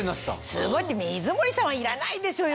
すごいって水森さんはいらないでしょうよ。